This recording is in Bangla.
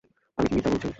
আমি কি মিথ্যা বলছি।